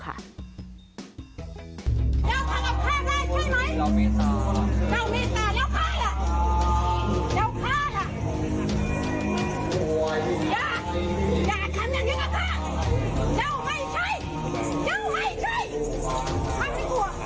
เจ้าให้ช่วยข้าไม่กลัว